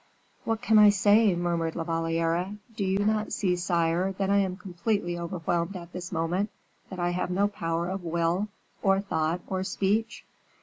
"What can I say?" murmured La Valliere. "Do you not see, sire, that I am completely overwhelmed at this moment; that I have no power of will, or thought, or speech?"